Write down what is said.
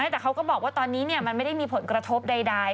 แต่เขาก็บอกว่าตอนนี้มันไม่ได้มีผลกระทบใด